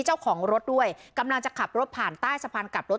เจ้าของรถด้วยกำลังจะขับรถผ่านใต้สะพานกลับรถ